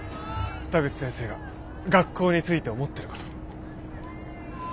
田口先生が学校について思ってる事。